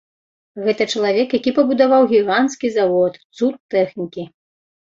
Гэта чалавек, які пабудаваў гіганцкі завод, цуд тэхнікі.